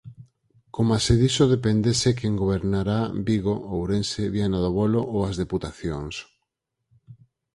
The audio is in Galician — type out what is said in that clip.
Coma se diso dependese quen gobernará Vigo, Ourense, Viana do Bolo ou as deputacións.